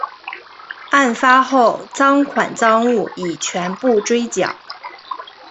案发后赃款赃物已全部追缴。